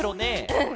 うん。